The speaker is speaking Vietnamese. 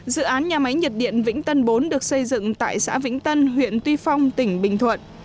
dự án nhà máy nhiệt điện vĩnh tân bốn được xây dựng tại xã vĩnh tân huyện tuy phong tỉnh bình thuận